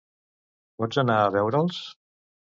Pots anar a veure'ls?